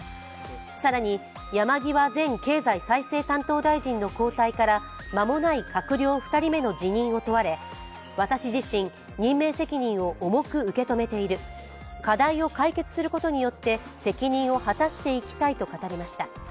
更に、山際前経済再生担当大臣の交代から間もない閣僚２人目の辞任を問われ私自身、任命責任を重く受け止めている、課題を解決することによって責任を果たしていきたいと語りました。